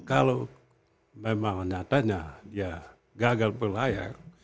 kalau memang nyatanya dia gagal berlayar